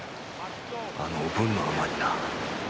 あのおぶんのアマにな